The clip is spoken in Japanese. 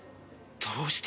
どうして。